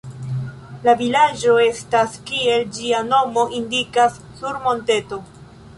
La vilaĝo estas, kiel ĝia nomo indikas, sur monteto.